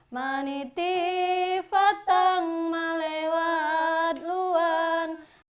maniti fatang malewat luan